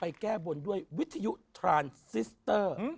พี่ยังไม่ได้เลิกแต่พี่ยังไม่ได้เลิก